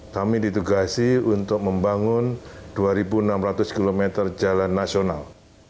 kami ditugasi untuk membangun dua enam ratus km jalan nasional